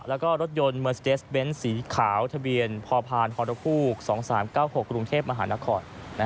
แล้วก็รถยนต์เบนซ์สีขาวทะเบียนพพฮ๒๓๙๖กรุงเทพฯมหานคร